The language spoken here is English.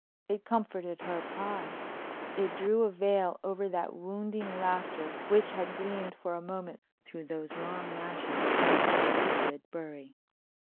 It comforted her pride. It drew a veil over that wounding laughter which had gleamed for a moment through those long lashes of Sir Wilfrid Bury.